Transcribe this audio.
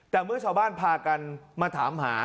แต่เมื่อชาวบ้านพากันมาถามหา